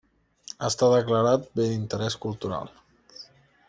Està declarat bé d'interés cultural.